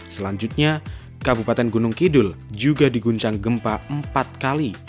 selanjutnya kabupaten gunung kidul juga diguncang gempa empat kali